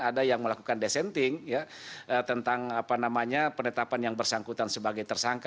ada yang melakukan desenting ya tentang apa namanya penetapan yang bersangkutan sebagai tersangka